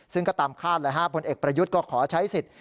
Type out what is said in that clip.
ซึ่งก็ตามคาดเลยฮะผลเอกประยุทธ์ก็ขอใช้สิทธิ์